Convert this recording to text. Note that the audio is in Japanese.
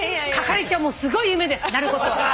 係長もすごい夢ですなることは。